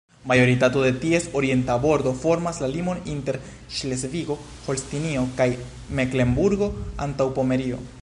Majoritato de ties orienta bordo formas la limon inter Ŝlesvigo-Holstinio kaj Meklenburgo-Antaŭpomerio.